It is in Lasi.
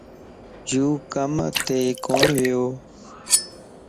يو ڪم ات ڪون ويو